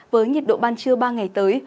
với nhiệt độ ban trưa ba ngày tới